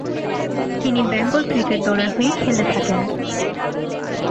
তিনি বেঙ্গল ক্রিকেট দলের হয়ে খেলে থাকেন।